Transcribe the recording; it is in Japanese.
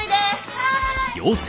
はい！